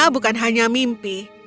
ini bukan hanya mimpi